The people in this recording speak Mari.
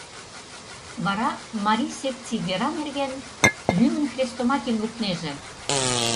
Вара Марий секций вера нерген лӱмын хрестоматийым лукнеже.